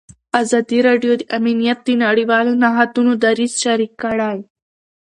ازادي راډیو د امنیت د نړیوالو نهادونو دریځ شریک کړی.